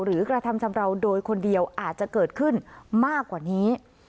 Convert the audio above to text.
กระทำชำราวโดยคนเดียวอาจจะเกิดขึ้นมากกว่านี้